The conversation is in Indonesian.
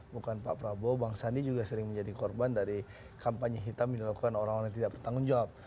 bukan pak prabowo bang sandi juga sering menjadi korban dari kampanye hitam yang dilakukan orang orang yang tidak bertanggung jawab